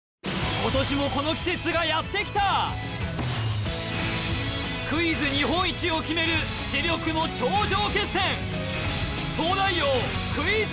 今年もこの季節がやってきたクイズ日本一を決める知力の頂上決戦東大王クイズ